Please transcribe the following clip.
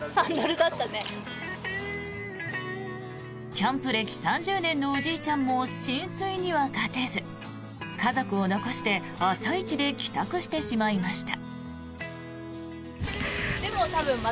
キャンプ歴３０年のおじいちゃんも浸水には勝てず家族を残して朝一で帰宅してしまいました。